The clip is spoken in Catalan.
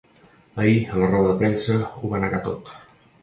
Ahir, a la roda de premsa, ho va negar tot.